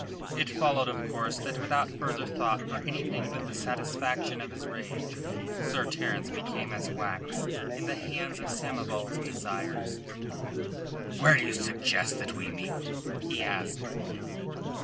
It followed, of course, that without further thought for anything but the satisfaction of his rage Sir Terence became as wax in the hands of Samoval's desires. "Where do you suggest that we meet?" he asked.